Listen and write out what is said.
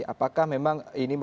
apakah ini memang dimak criminal